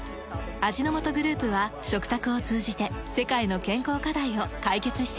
味の素グループは食卓を通じて世界の健康課題を解決していきます。